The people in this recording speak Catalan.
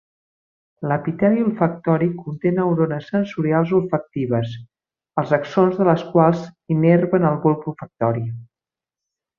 L'epiteli olfactori conté neurones sensorials olfactives, els axons de les quals innerven el bulb olfactori.